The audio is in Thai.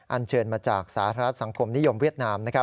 เชิญมาจากสหรัฐสังคมนิยมเวียดนาม